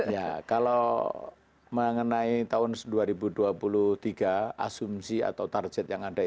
ya kalau mengenai tahun dua ribu dua puluh tiga asumsi atau target yang ada